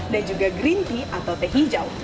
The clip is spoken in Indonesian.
dan juga green tea atau teh hijau